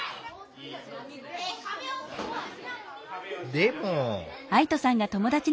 でも。